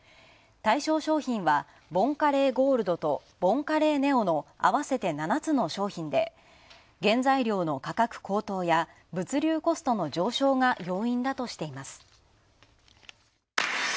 対象商品はボンカレーゴールドとボンカレーネオの合わせて７つの商品で原材料の価格高騰や物流コストの上昇が要因だとしています。